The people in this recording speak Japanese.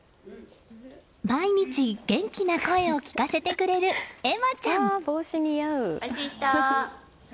毎日元気な声を聞かせてくれる恵茉ちゃん。